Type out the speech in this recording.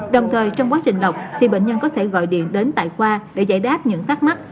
đồng thời trong quá trình lọc thì bệnh nhân có thể gọi điện đến tại khoa để giải đáp những thắc mắc